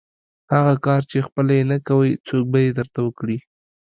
هغه کار چې خپله یې نه کوئ، څوک به یې درته وکړي؟